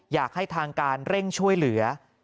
อยากให้ทางการเร่งช่วยเหลือ